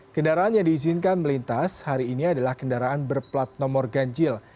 kendaraan yang diizinkan melintas hari ini adalah kendaraan berplat nomor ganjil